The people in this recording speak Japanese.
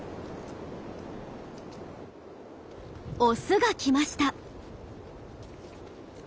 オスが来ました。